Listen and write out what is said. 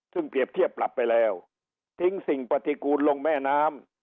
ซึ่งเปรียบเทียบปรับไปแล้วทิ้งสิ่งปฏิกูลลงแม่น้ำ